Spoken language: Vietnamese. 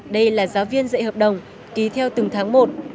đây là giáo viên dạy hợp đồng ký theo từng tháng một